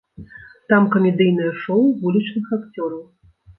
Там камедыйнае шоў вулічных акцёраў.